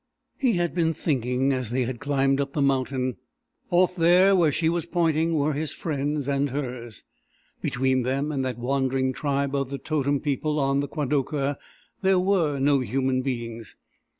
He had been thinking as they had climbed up the mountain. Off there, where she was pointing, were his friends, and hers; between them and that wandering tribe of the totem people on the Kwadocha there were no human beings.